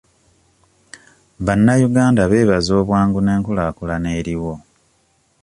Bannayuganda beebaza obwangu n'enkulaakulana eriwo.